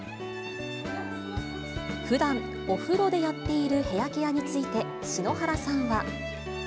ふだん、お風呂でやっているヘアケアについて、篠原さんは。